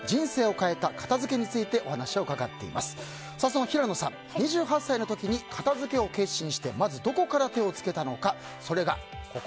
その平野さん２８歳の時に片付けを決心してまずどこから手を付けたのか。